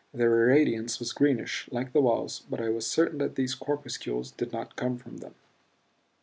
Their irradiance was greenish, like the walls; but I was certain that these corpuscles did not come from them.